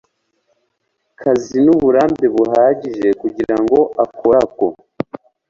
kazi n uburambe buhagije kugirango akore ako